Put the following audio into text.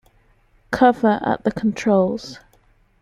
Cover at the controls.